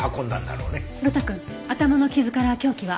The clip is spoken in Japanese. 呂太くん頭の傷から凶器は？